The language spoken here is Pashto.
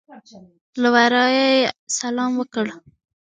له ورایه یې سلام وکړ.